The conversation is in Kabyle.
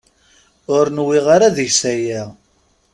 Ur nwiɣ ara deg-s aya.